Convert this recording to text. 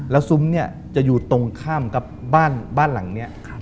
แล้วซุ้มเนี่ยจะอยู่ตรงข้ามกับบ้านหลังนี้